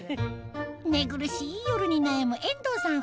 寝苦しい夜に悩む遠藤さん